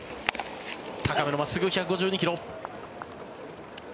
高めの真っすぐ、１５２ｋｍ。